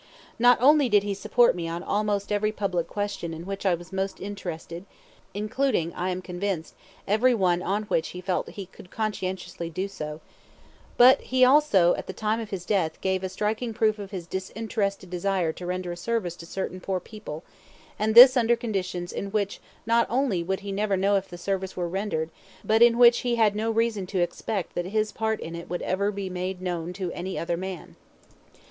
Not only did he support me on almost every public question in which I was most interested including, I am convinced, every one on which he felt he conscientiously could do so but he also at the time of his death gave a striking proof of his disinterested desire to render a service to certain poor people, and this under conditions in which not only would he never know if the service were rendered but in which he had no reason to expect that his part in it would ever be made known to any other man.